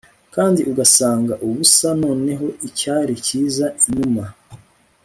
kandi ugasanga ubusa noneho icyari cyiza inuma